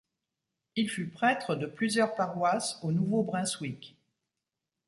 Il fut prêtre de plusieurs paroisses au Nouveau-Brunswick.